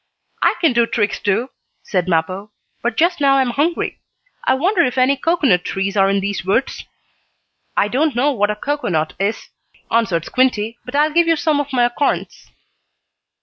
"I can do tricks, too," said Mappo. "But just now I am hungry. I wonder if any cocoanut trees are in these woods?" "I don't know what a cocoanut is," answered Squinty, "but I'll give you some of my acorns."